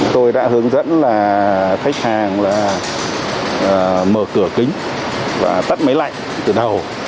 tôi đã hướng dẫn khách hàng mở cửa kính và tắt máy lạnh từ đầu